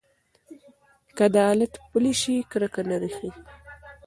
که عدالت پلی شي، کرکه نه ریښې وهي.